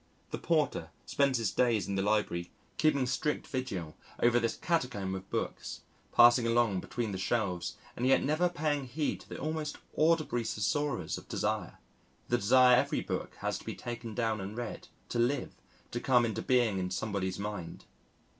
The Porter spends his days in the Library keeping strict vigil over this catacomb of books, passing along between the shelves and yet never paying heed to the almost audible susurrus of desire the desire every book has to be taken down and read, to live, to come into being in somebody's mind.